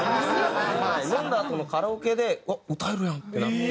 飲んだあとのカラオケで「あっ歌えるやん！」ってなって。